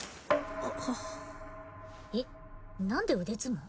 えっ何で腕相撲？